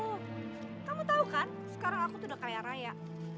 oh kamu tau kan sekarang aku tuh udah kaya raya